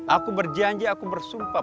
aku berjanji aku bersumpah